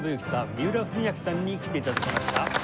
三浦文彰さんに来て頂きました。